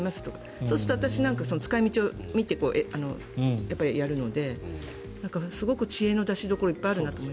そうすると私なんか使い道を見て、やるのですごく知恵の出しどころがいっぱいあるなと。